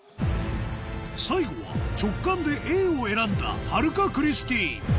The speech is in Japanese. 最後は直感でＡを選んだ春香クリスティーン